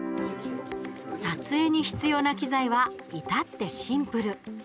撮影に必要な機材は至ってシンプル。